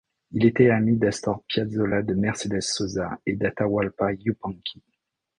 Il était ami d’Astor Piazzolla, de Mercedes Sosa et d’Atahualpa Yupanqui.